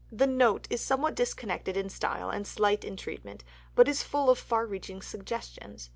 The "Note" is somewhat disconnected in style and slight in treatment, but is full of far reaching suggestions.